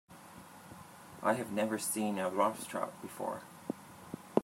I have never seen a Rothschild before.